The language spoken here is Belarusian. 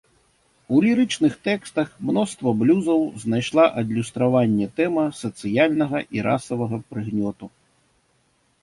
У лірычных тэкстах мноства блюзаў знайшла адлюстраванне тэма сацыяльнага і расавага прыгнёту.